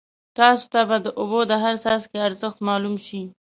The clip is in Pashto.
تاسو ته به د اوبو د هر څاڅکي ارزښت معلوم شي.